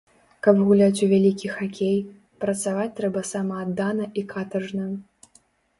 Каб гуляць у вялікі хакей, працаваць трэба самааддана і катаржна.